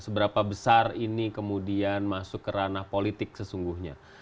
seberapa besar ini kemudian masuk ke ranah politik sesungguhnya